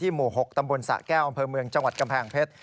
หมู่๖ตำบลสะแก้วอำเภอเมืองจังหวัดกำแพงเพชร